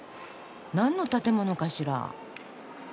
何の建物かしら？